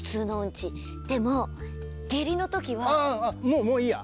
もうもういいや。